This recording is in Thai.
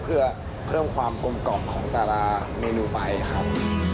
เพื่อเพิ่มความกลมกล่อมของแต่ละเมนูไปครับ